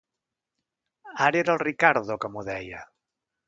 Ara era el Riccardo que m'ho deia.